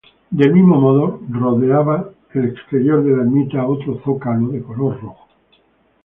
Del mismo modo, rodeaba el exterior de la ermita otro zócalo de color rojo.